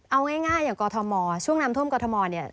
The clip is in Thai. เอาง่ายอย่างกอทมช่วงน้ำท่วมกรทมเนี่ย